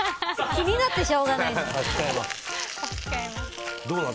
気になってしょうがないよ。